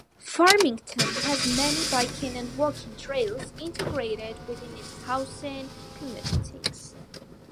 Farmington has many biking and walking trails integrated within its housing communities.